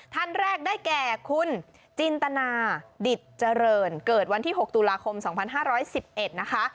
ท่านแรกได้แก่คุณจินตนาดิตเจริญเกิดวันที่๖ตุลาคม๒๕๑๑นะคะ